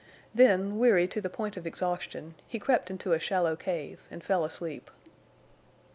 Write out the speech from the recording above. Then, weary to the point of exhaustion, he crept into a shallow cave and fell asleep.